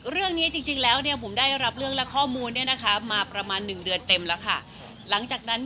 เรื่องนี้จริงแล้วผมได้รับเรื่องและข้อมูลมาประมาณ๑เดือนเต็มแล้วค่ะ